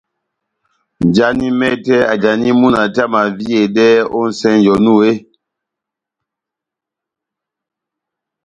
Njani mɛtɛ ajani múna tɛ́h amaviyedɛ ó nʼsɛnjɛ onu eeeh ?